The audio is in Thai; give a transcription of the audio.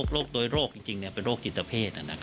โรคโดยโรคจริงเป็นโรคจิตเพศ